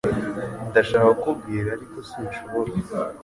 Ndashaka kukubwira ariko sinshobora